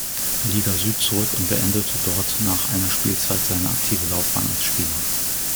Liga Süd zurück und beendete dort nach einer Spielzeit seine aktive Laufbahn als Spieler.